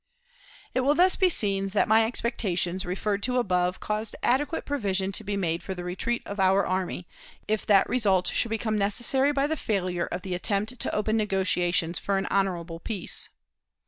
It will thus be seen that my expectations, referred to above, caused adequate provision to be made for the retreat of our army, if that result should become necessary by the failure of the attempt to open negotiations for an honorable peace.